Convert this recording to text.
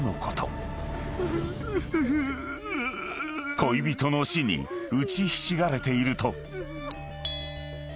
［恋人の死に打ちひしがれていると］